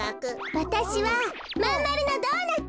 わたしはまんまるのドーナツ。